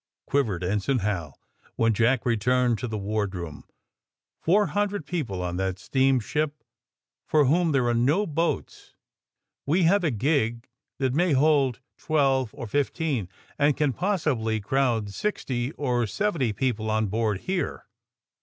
'' quivered Ensign Hal, when Jack returned to the wardroom. ^^Four hundred people on that steamship for whom there are no boats. We have a gig that may hold twelve or fifteen, and can possibly crowd sixty or seventy people on board here.